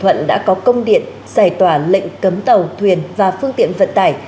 thuận đã có công điện giải tỏa lệnh cấm tàu thuyền và phương tiện vận tải